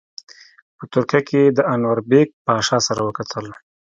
په ترکیه کې یې د انوربیګ پاشا سره وکتل.